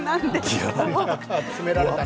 詰められたね。